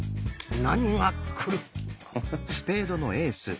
何が来る？